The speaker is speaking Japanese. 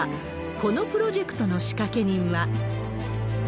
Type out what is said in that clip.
このプロジェクトの仕掛人は。